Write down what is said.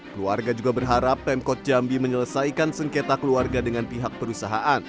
keluarga juga berharap pemkot jambi menyelesaikan sengketa keluarga dengan pihak perusahaan